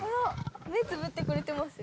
目つぶってくれてますよ。